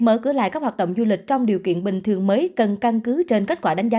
mở cửa lại các hoạt động du lịch trong điều kiện bình thường mới cần căn cứ trên kết quả đánh giá